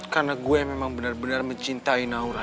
karena gue memang benar benar mencintai naura